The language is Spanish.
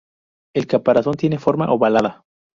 El caparazón tiene forma ovalada.